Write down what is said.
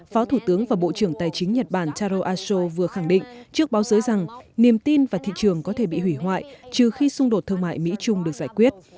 phó thủ tướng và bộ trưởng tài chính nhật bản taro aso vừa khẳng định trước báo giới rằng niềm tin và thị trường có thể bị hủy hoại trừ khi xung đột thương mại mỹ trung được giải quyết